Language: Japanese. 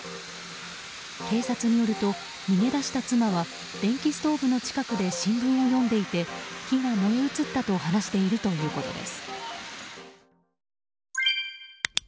警察によると、逃げ出した妻は電気ストーブの近くで新聞を読んでいて火が燃え移ったと話しているということです。